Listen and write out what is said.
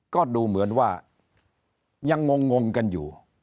ก็ดูเหมือนว่ายังงงกันอยู่